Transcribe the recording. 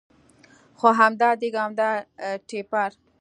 خو همدا دېګ او همدا ټېپر.